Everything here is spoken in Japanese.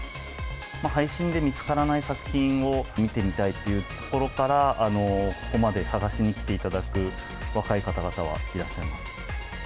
配信で見つからない作品を見てみたいというところから、ここまで探しに来ていただく若い方々はいらっしゃいます。